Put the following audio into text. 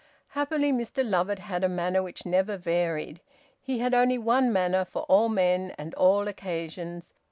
Happily Mr Lovatt had a manner which never varied; he had only one manner for all men and all occasions.